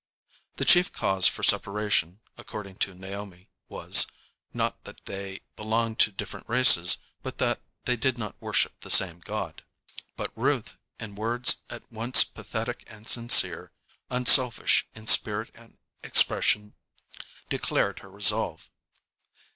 The chief cause for separation, according to Naomi, was, not that they belonged to different races, but that they did not worship the same God. But Ruth, in words at once pathetic and sincere, unselfish in spirit and expression, declared her resolve.